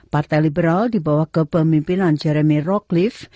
partai liberal dibawa ke pemimpinan jeremy rockleaf